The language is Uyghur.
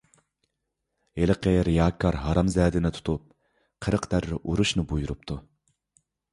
ھېلىقى رىياكار ھارامزادىنى تۇتۇپ، قىرىق دەررە ئۇرۇشنى بۇيرۇپتۇ.